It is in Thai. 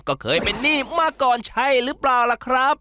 ก็เคยเป็นหนี้มาก่อนใช่หรือเปล่าล่ะครับ